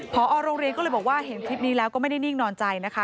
พอโรงเรียนก็เลยบอกว่าเห็นคลิปนี้แล้วก็ไม่ได้นิ่งนอนใจนะคะ